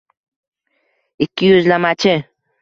Ikkiyuzlamachi!